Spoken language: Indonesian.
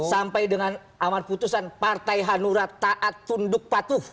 sampai dengan aman putusan partai hanura taat tunduk patuh